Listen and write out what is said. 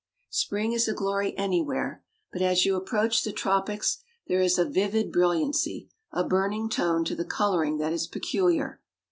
Spring is a glory anywhere; but, as you approach the tropics, there is a vivid brilliancy, a burning tone, to the coloring, that is peculiar.